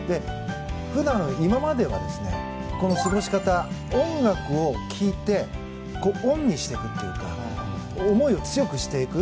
普段、今までは過ごし方、音楽を聴いてオンにしていくというか思いを強くしていく。